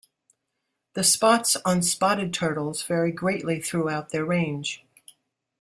The spots on spotted turtles vary greatly throughout their range.